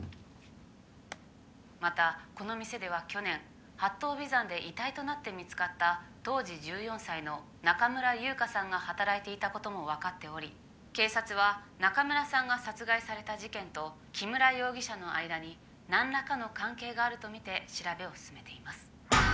またこの店では去年八頭尾山で遺体となって見つかった当時１４歳の中村優香さんが働いていたこともわかっており警察は中村さんが殺害された事件と木村容疑者の間に何らかの関係があると見て調べを進めています。